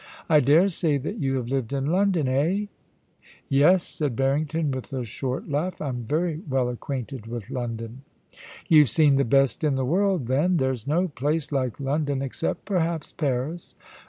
* I dare say that you have lived in London, eh ?'' Yes,' said Harrington with a short laugh ;* I'm very well acquainted with London.' 'You've seen the best in the world then. There's no place like London, except perhaps Paris.